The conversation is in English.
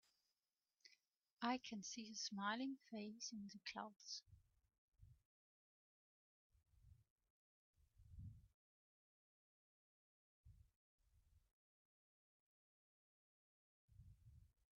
I can see a smiling face in the clouds.